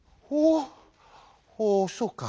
「おうそうか。